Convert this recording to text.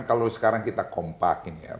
kalau sekarang kita kompak ini ya